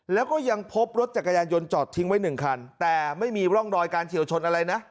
แล้วก็ยังพบรถจักรยานยนต์จอดทิ้งไว้หนึ่งคันแต่ไม่มีร่องรอยการเฉียวชนอะไรนะ